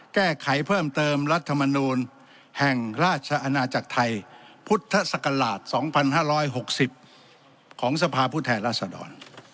แก้ไขเพิ่มเติมรัฐมนูลแห่งราชอาณาจักรไทยพุทธศักราช๒๕๖๐ของสภาพผู้แทนราษฎร